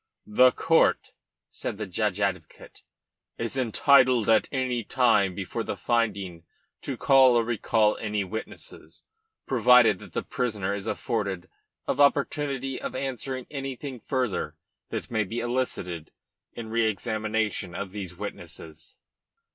"The court," said the judge advocate, "is entitled at any time before the finding to call or recall any witnesses, provided that the prisoner is afforded an opportunity of answering anything further that may be elicited in re examination of these witnesses."